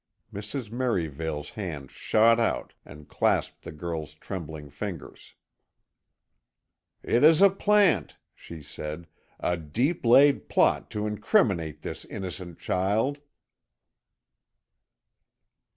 Mrs. Merivale's hand shot out and clasped the girl's trembling fingers. "It is a plant!" she said, "a deep laid plot to incriminate this innocent child!"